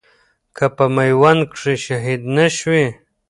که په ميوند کښي شهيد نه شوې